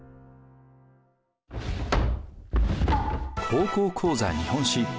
「高校講座日本史」。